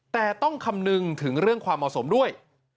แต่ต้องคำนึงถึงเรื่องความเหมาะสมด้วย